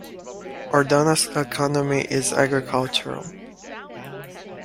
Ordona's economy is agricultural.